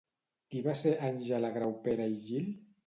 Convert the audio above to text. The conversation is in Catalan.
Qui va ser Àngela Graupera i Gil?